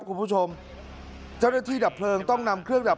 คุณผู้ชมเจ้าหน้าที่ดับเพลิงต้องนำเครื่องดับ